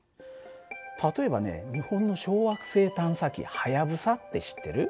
例えばね日本の小惑星探査機「はやぶさ」って知ってる？